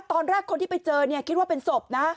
ตอนแรกคนที่ไปเจอเนี่ยคิดว่าเป็นศพนะ